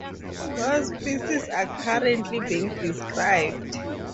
More species are currently being described.